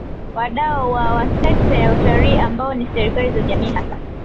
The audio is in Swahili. Wadau wa wa sekta ya Utalii ambao ni serikali na jamii hasa